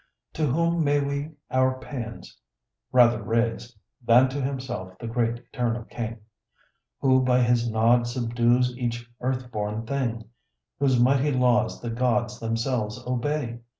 To whom may we our pæans rather raise Than to himself, the great Eternal King, Who by his nod subdues each earth born thing; Whose mighty laws the gods themselves obey?